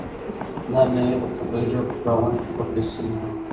دا مېوې په طبیعي ډول په باغونو کې پخې شوي دي.